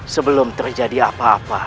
sebelum terjadi apa apa